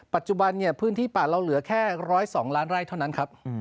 ปัจจุบันเนี่ยพื้นที่ป่าเราเหลือแค่๑๐๒ล้านไร่เท่านั้นครับ